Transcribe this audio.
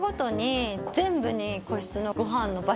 全部に。